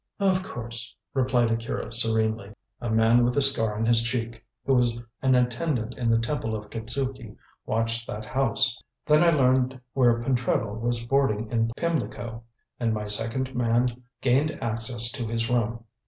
"Of course," replied Akira serenely. "A man with a scar on his cheek, who was an attendant in the Temple of Kitzuki, watched that house. Then I learned where Pentreddle was boarding in Pimlico, and my second man gained access to his room.